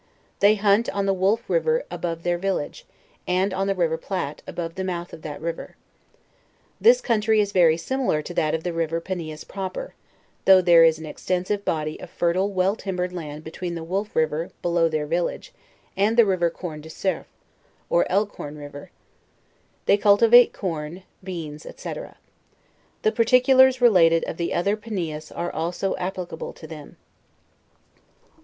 They hunt on the Wolf riv er above their village, and on the river Platte above the mouth of that river. This country is very similar to that of the river Panias Proper, though there is an extensive body of fertile well timbered land between the Wolf river belovr their village and the river Corn de Cerf, or Rlkhorn river They cultivate corn, beans, &c. The particulars related of the other Panias are also applicable to them.